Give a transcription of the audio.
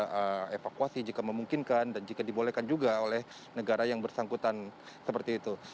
kita evakuasi jika memungkinkan dan jika dibolehkan juga oleh negara yang bersangkutan seperti itu